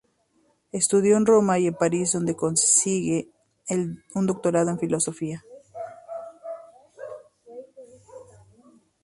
Estudió en Roma y en París donde consigue un doctorado en filosofía.